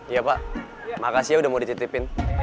iya pak makasih ya udah mau dititipin